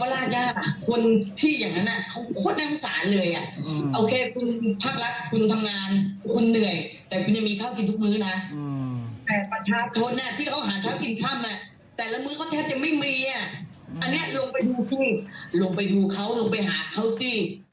ลงไปดูเขาลงไปหาเขาสิ